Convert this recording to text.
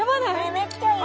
めっちゃいい。